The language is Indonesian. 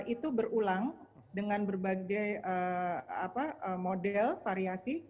itu berulang dengan berbagai model variasi